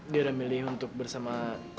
dia udah milih untuk bersama